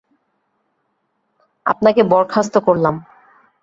আপনাকে বরখাস্ত করলাম।